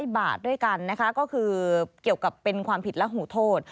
๐บาทด้วยกันนะคะก็คือเกี่ยวกับเป็นความผิดและหูโทษ